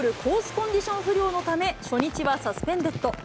コンディション不良のため、初日はサスペンデッド。